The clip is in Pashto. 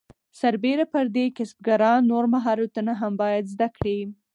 سربیره پر دې کسبګران نور مهارتونه هم باید زده کړي.